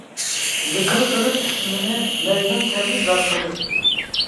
زىكرى قىلىپ ئىسمىنى، مەجنۇن كەبى زار قىلىپ.